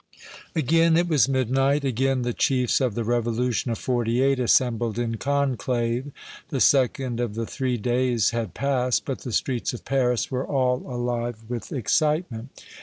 Again it was midnight. Again the chiefs of the revolution of '48 assembled in conclave. The second of the Three Days had passed, but the streets of Paris were all alive with excitement.